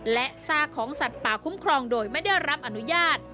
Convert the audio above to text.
และซากของสัตว์ป่าคุ้มครองโดยไม่ได้รับอนุญาต